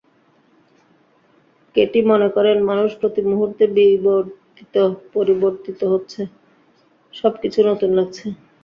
Katie মনে করেন, মানুষ প্রতিমুহূর্তে বিবর্তিত, পরিবর্তিত হচ্ছে, সবকিছুই নতুন লাগছে।